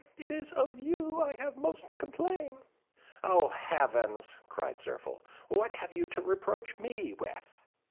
it is of you I have most to complain." "Oh, heavens!" cried Zirphil, "what have you to reproach me with?"